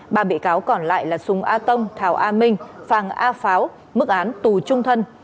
ba bị cáo còn lại là sùng a tông thảo a minh phàng a pháo mức án tù trung thân